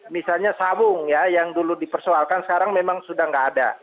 misalnya sawung ya yang dulu dipersoalkan sekarang memang sudah tidak ada